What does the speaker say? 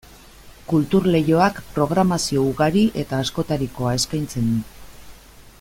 Kultur Leioak programazio ugari eta askotarikoa eskaintzen du.